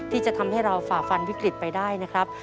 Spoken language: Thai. ที่จะทำให้เราฝ่าฟันวิกฤตไปได้นะครับ